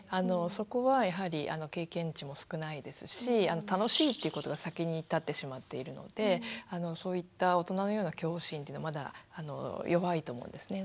そこはやはり経験値も少ないですし「楽しい」っていうことが先に立ってしまっているのでそういった大人のような恐怖心というのはまだ弱いと思うんですね。